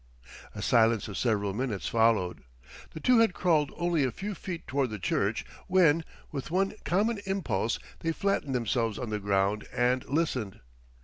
A silence of several minutes followed. The two had crawled only a few feet toward the church, when, with one common impulse, they flattened themselves on the ground and listened.